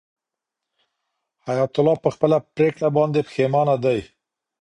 حیات الله په خپله پرېکړه باندې پښېمانه دی.